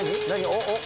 おっ。